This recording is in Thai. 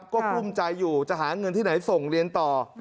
ก็กุ้มใจอยู่จะหาเงินที่ไหนส่งเรียนต่อ